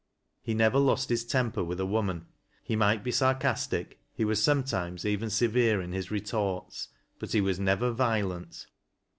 He never lost his temper with a woman. He might be sarcastic, he was some times even severe in his retorts, but he was never violent.